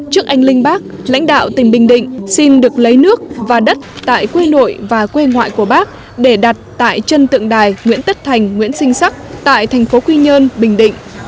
trước anh linh bác lãnh đạo tỉnh bình định xin được lấy nước và đất tại quê lội và quê ngoại của bác để đặt tại chân tượng đài nguyễn tất thành nguyễn sinh sắc tại thành phố quy nhơn bình định